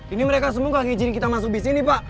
ini mereka semua gak ngijin kita masuk bisnis pak